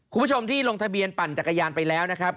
คุณผู้ชมที่ลงทะเบียนปั่นจักรยานไปแล้วนะครับ